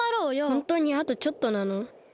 ホントにあとちょっとなの？